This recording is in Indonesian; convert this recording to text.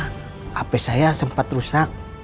hp saya sempat rusak